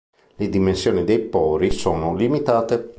Le dimensioni dei pori sono limitate.